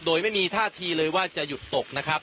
ตอนนี้ผมอยู่ในพื้นที่อำเภอโขงเจียมจังหวัดอุบลราชธานีนะครับ